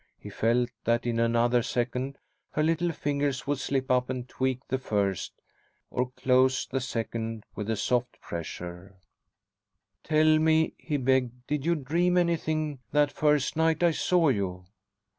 He felt that in another second her little fingers would slip up and tweak the first, or close the second with a soft pressure "Tell me," he begged: "did you dream anything that first night I saw you?"